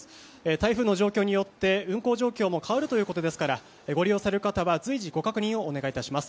台風の状況によって運行状況も変わるということですからご利用される方は随時ご確認をお願いします。